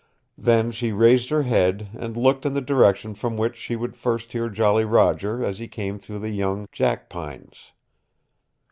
Then she raised her head, and looked in the direction from which she would first hear Jolly Roger as he came through the young jackpines.